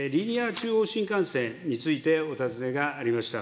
中央新幹線についてお尋ねがありました。